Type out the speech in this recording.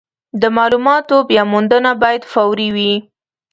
د مالوماتو بیاموندنه باید فوري وي.